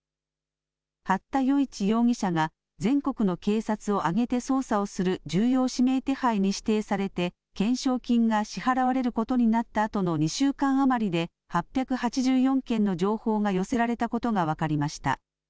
八田與一容疑者が全国の警察を挙げて捜査をする重要指名手配に指定されて懸賞金が支払われることになったあとの２週間余りで８８４件の情報が寄せられたことが分かりました。